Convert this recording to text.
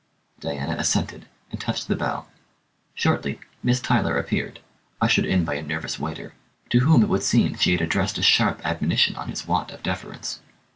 Diana assented, and touched the bell. Shortly, Miss Tyler appeared, ushered in by a nervous waiter, to whom it would seem she had addressed a sharp admonition on his want of deference.